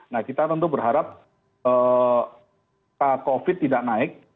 nah kita tentu berharap covid tidak naik